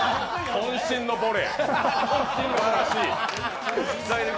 こん身のボレー！